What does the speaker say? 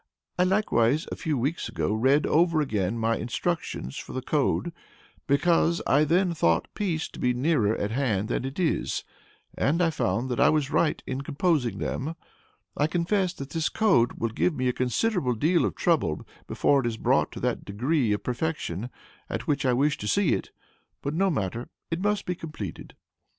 I likewise, a few weeks ago, read over again my instructions for the code, because I then thought peace to be nearer at hand than it is, and I found that I was right in composing them. I confess that this code will give me a considerable deal of trouble before it is brought to that degree of perfection at which I wish to see it. But no matter, it must be completed.